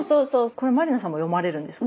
これ満里奈さんも読まれるんですか？